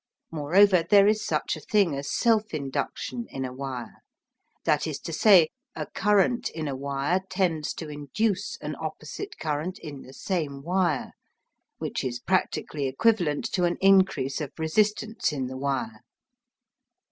Moreover, there is such a thing as "self induction" in a wire that is to say, a current in a wire tends to induce an opposite current in the same wire, which is practically equivalent to an increase of resistance in the wire.